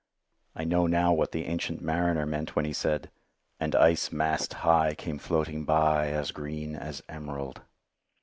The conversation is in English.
I know now what the Ancient Mariner meant when he said: "And ice mast high came floating by As green as emerald."